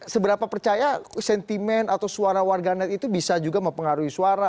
seberapa percaya sentimen atau suara warganet itu bisa juga mempengaruhi suara